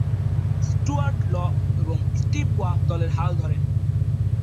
Stewart Law এবং Steve Waugh দলের হাল ধরেন।